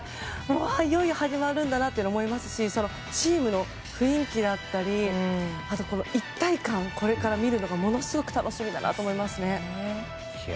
いよいよ始まるんだなと思いますしチームの雰囲気だったり一体感をこれから見るのが、ものすごく楽しみだなと思いますね。